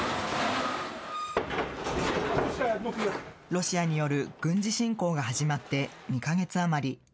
ロシアによる軍事侵攻が始まって２か月余り。